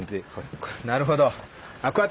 なるほど。